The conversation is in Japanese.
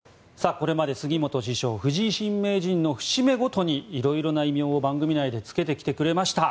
これまで杉本師匠藤井新名人の節目ごとに色々な異名を番組内でつけてきてくれました。